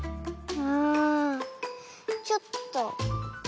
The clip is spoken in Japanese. うんちょっと。